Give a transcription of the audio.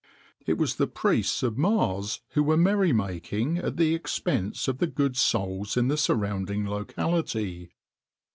It was the priests of Mars, who were merry making at the expense of the good souls in the surrounding locality.